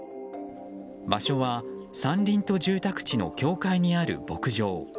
場所は、山林と住宅地の境界にある牧場。